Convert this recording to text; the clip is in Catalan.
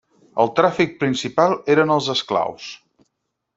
El tràfic principal eren els esclaus.